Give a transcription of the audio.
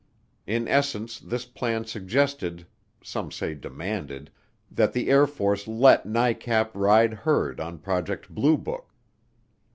In essence this plan suggested (some say demanded) that the Air Force let NICAP ride herd on Project Blue Book.